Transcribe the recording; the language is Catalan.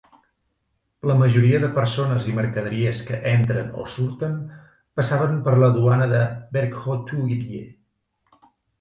La majoria de persones i mercaderies que entren o surten passaven per la duana de Verkhoturye.